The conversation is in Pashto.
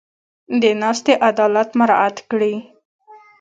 د ناستې عدالت مراعت کړي.